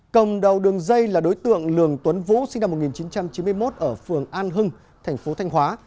cầm đầu đường dây là đối tượng lường tuấn vũ sinh năm một nghìn chín trăm chín mươi một ở phường an hưng thành phố thanh hóa